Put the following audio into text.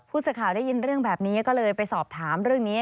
สื่อข่าวได้ยินเรื่องแบบนี้ก็เลยไปสอบถามเรื่องนี้